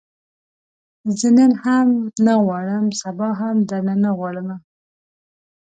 زه نن هم نه غواړم، سبا هم درنه نه غواړمه